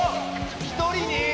１人に？